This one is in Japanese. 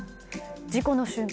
事故の瞬間